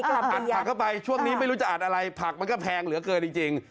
อัดผักเข้าไปช่วงนี้ไม่รู้จะอัดอะไรผักมันก็แพงเหลือเกินจริง